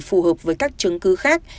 phù hợp với các chứng cứ khác